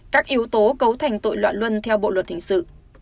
các yếu tố cấu thành tội loạn luân theo bộ luật hình sự